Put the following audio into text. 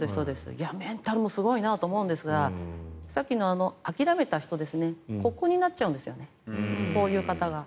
メンタルも強いなと思うんですがさっきの諦めた人ここになっちゃうんですよね。